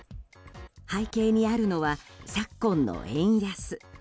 背景にあるのは昨今の円安。